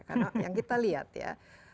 karena yang kita lihat ya